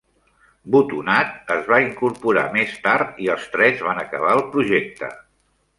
Boutonnat es va incorporar més tard i els tres van acabar el projecte.